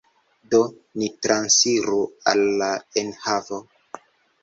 Do, ni transiru al la enhavo.